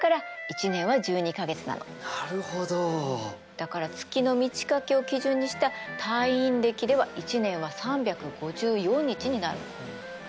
だから月の満ち欠けを基準にした太陰暦では１年は３５４日になるの。